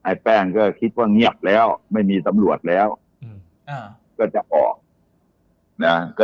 แป้งก็คิดว่าเงียบแล้วไม่มีตำรวจแล้วก็จะออกนะ